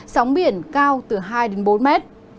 sóng biển cao từ hai đến bốn mét